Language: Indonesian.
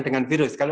tapi pada industri